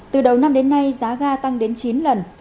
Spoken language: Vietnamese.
từ đầu năm đến nay giá ga tăng đến chín lần